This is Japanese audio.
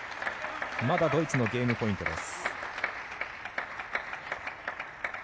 まだドイツのゲームポイントです。